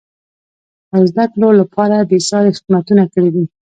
او زده کړو لپاره بېسارې خدمتونه کړیدي.